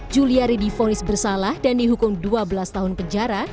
juliari difonis bersalah dan dihukum dua belas tahun penjara